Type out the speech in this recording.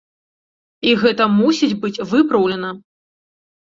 І гэта мусіць быць выпраўлена.